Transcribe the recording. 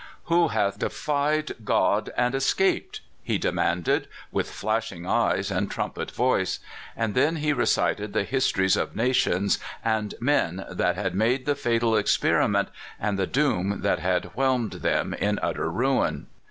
"Who hath defied God and escaped?" he de manded, with flashing eyes and trumpet voice. And then he recited the histories of nations and men that had made the fatal experiment, and the doom that had whelmed them in utter ruin.